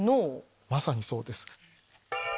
まさにそうです。